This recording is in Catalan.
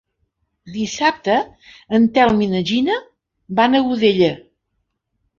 Dissabte en Telm i na Gina van a Godella.